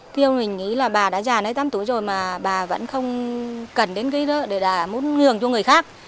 kêu mình nghĩ là bà đã già ne tám tuổi rồi mà bà vẫn không cần đến cái đó để là muốn nhường cho người khác